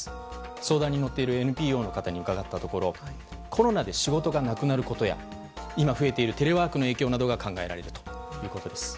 相談に乗っているＮＰＯの方に伺ったところコロナで仕事がなくなることや今、増えているテレワークの影響などが考えられるということです。